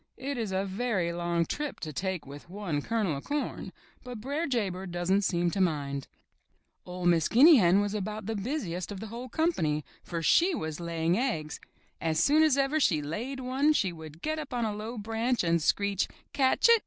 It is a very long trip to take with one kernel of corn, but Br'er Jay Bird doesn't seem to mind. or Miss Guinea Hen was about the busiest of the whole company, for she was laying eggs. As soon as ever she had laid one she would get up on a low branch and screech, "Catch it!